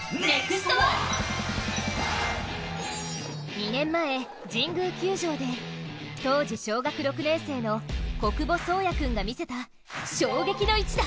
２年前、神宮球場で当時小学６年生の小久保颯弥君が見せた衝撃の一打。